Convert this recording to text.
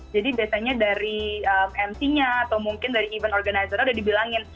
jadi biasanya dari mc nya atau mungkin dari event organizer nya udah dibilangin